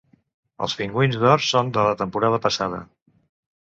Els Pingüins d'or són de la temporada passada.